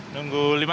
nunggu lima menit